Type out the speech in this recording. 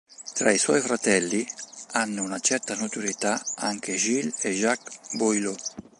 Tra i suoi fratelli, hanno una certa notorietà anche Gilles e Jacques Boileau.